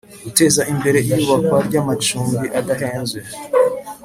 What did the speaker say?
guteza imbere iyubakwa ry'amacumbi adahenze